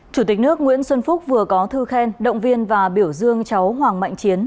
chủ tịch nước nguyễn xuân phúc vừa có thư khen động viên và biểu dương cháu hoàng mạnh chiến